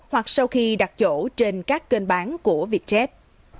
hoặc sau khi đặt chỗ trên các kênh bán của vietjet